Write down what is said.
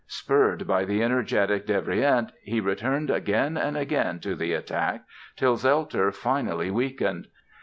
Spurred by the energetic Devrient he returned again and again to the attack, till Zelter finally weakened.